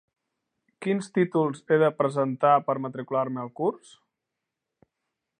Quins títols he de presentar per matricular-me al curs?